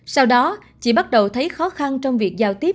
sau đó chị bắt đầu thấy khó khăn trong việc giao tiếp